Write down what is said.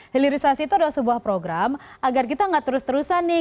hilirisasi itu adalah sebuah program agar kita nggak terus terusan nih